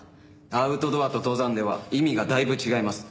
アウトドアと登山では意味がだいぶ違います。